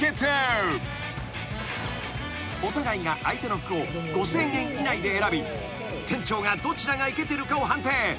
［お互いが相手の服を５，０００円以内で選び店長がどちらがいけてるかを判定］